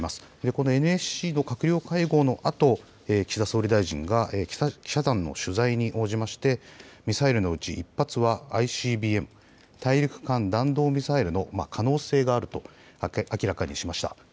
このＮＳＣの閣僚会合のあと、岸田総理大臣が記者団の取材に応じまして、ミサイルのうち１発はＩＣＢＭ・大陸間弾道ミサイルの可能性があると明らかにしました。